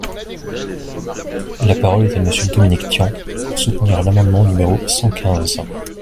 La parole est à Monsieur Dominique Tian, pour soutenir l’amendement numéro cent quinze.